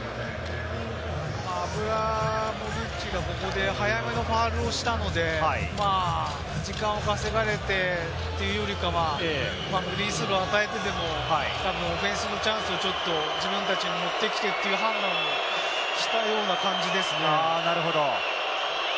アブラモビッチが、ここで早めのファウルをしたので、時間は稼がれてというよりかは、フリースローを与えてでもオフェンスのチャンスをちょっと自分たちに持ってきてということにしたような感じですね。